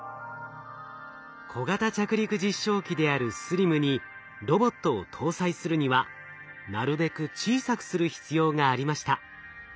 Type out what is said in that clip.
小型着陸実証機であるＳＬＩＭにロボットを搭載するにはなるべく小さくする必要がありました。